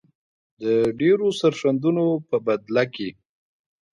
د ډیرو سرښندنو په بدله کې.